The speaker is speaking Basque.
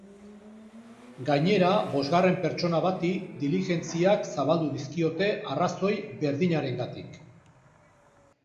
Gainera, bosgarren pertsona bati diligentziak zabaldu dizkiote arrazoi berdinarengatik.